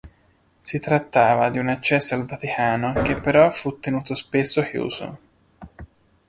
Si trattava di un accesso al Vaticano che però fu tenuto spesso chiuso.